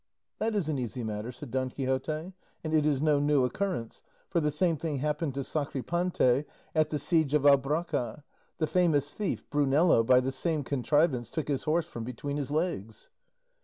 "That is an easy matter," said Don Quixote, "and it is no new occurrence, for the same thing happened to Sacripante at the siege of Albracca; the famous thief, Brunello, by the same contrivance, took his horse from between his legs."